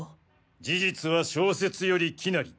事実は小説より奇なり。